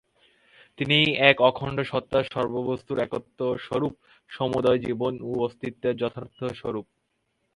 তিনিই এক অখণ্ড সত্তা, সর্ববস্তুর একত্ব-স্বরূপ, সমুদয় জীবন ও অস্তিত্বের যথার্থ স্বরূপ।